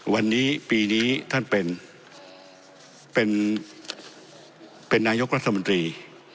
วันนี้ปีนี้ท่านเป็นนายกรัฐมนตรี